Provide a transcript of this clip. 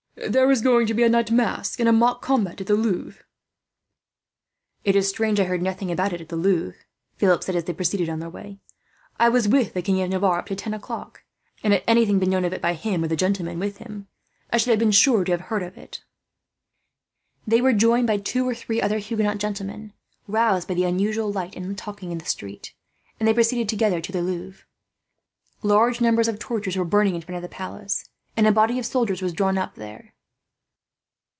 "There is going to be a night masque, and a mock combat at the Louvre," the man said. "It is strange. I heard nothing about it at the Louvre," Philip said, as they proceeded on their way. "I was with the King of Navarre up to ten o'clock and, had anything been known of it by him or the gentlemen with him, I should have been sure to have heard of it." They were joined by two or three other Huguenot gentlemen, roused by the unusual light and talking in the street; and they proceeded together to the Louvre. Large numbers of torches were burning in front of the palace, and a body of soldiers was drawn up there.